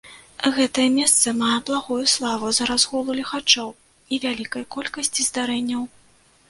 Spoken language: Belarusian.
Гэтае месца мае благую славу з-за разгулу ліхачоў і вялікай колькасці здарэнняў.